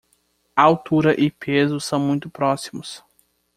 Altura e peso são muito próximos